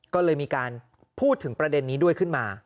ก็เลยมีการพูดถึงประเด็นนี้ด้วยขึ้นมา